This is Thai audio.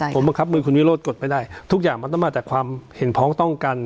ผมบังคับมือคุณวิโรธกดไม่ได้ทุกอย่างมันต้องมาจากความเห็นพ้องต้องกัน